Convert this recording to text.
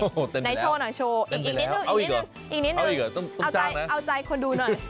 โหเต้นไปแล้วอีกนิดนึงเอาใจคนดูหน่อย